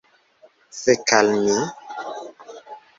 Fek' al mi!